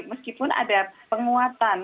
meskipun ada penguatan